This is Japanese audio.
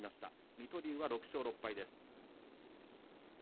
水戸龍は６勝６敗です。